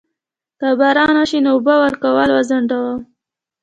که باران وشي نو اوبه ورکول وځنډوم؟